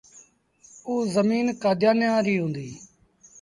اوٚ زميݩ ڪآديآنيآن ريٚ هُݩديٚ۔